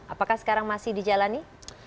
apakah sekarang masih dijalani